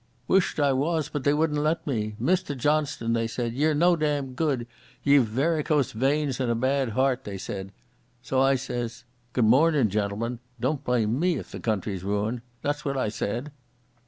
"Wish't I was, but they wouldn't let me. 'Mr Johnstone,' they said, 'ye're no dam good. Ye've varicose veins and a bad heart,' they said. So I says, 'Good mornin', gen'lmen. Don't blame me if the country's ru'ned'. That's what I said."